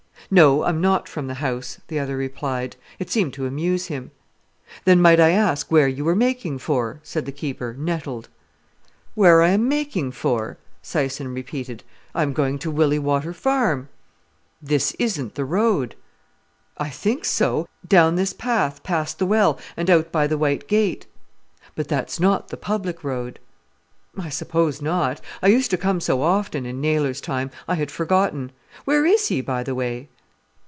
"No, I'm not from the House," the other replied. It seemed to amuse him. "Then might I ask where you were making for?" said the keeper, nettled. "Where I am making for?" Syson repeated. "I am going to Willey Water Farm." "This isn't the road." "I think so. Down this path, past the well, and out by the white gate." "But that's not the public road." "I suppose not. I used to come so often, in Naylor's time, I had forgotten. Where is he, by the way?"